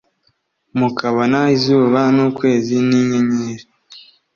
mukabona izuba n’ukwezi n’inyenyeri,